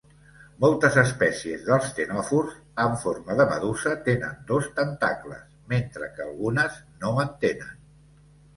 Moltes espècies dels ctenòfors en forma de medusa tenen dos tentacles, mentre que algunes no en tenen.